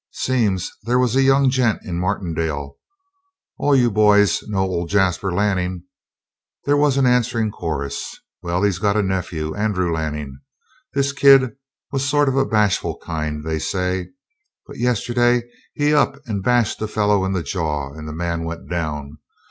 Seems there was a young gent in Martindale all you boys know old Jasper Lanning?" There was an answering chorus. "Well, he's got a nephew, Andrew Lanning. This kid was sort of a bashful kind, they say. But yesterday he up and bashed a fellow in the jaw, and the man went down.